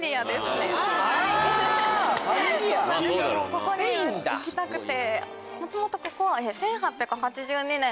ここに行きたくて。